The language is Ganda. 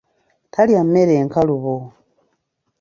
Talya mmere nkalubo.